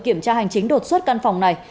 kiểm tra hành chính đột xuất căn phòng này